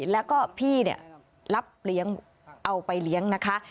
แล้วก็พี่รับเลี้ยงเอาไปเลี้ยงนะคะ